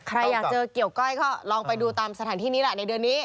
ใครอยากเจอเกี่ยวก้อยก็ลองไปดูตามสถานที่นี้แหละในเดือนนี้